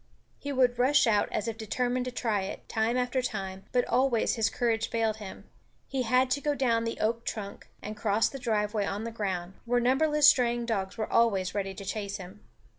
He would rush out as if determined to try it, time after time, but always his courage failed him; he had to go down the oak trunk and cross the driveway on the ground, where numberless straying dogs were always ready to chase him.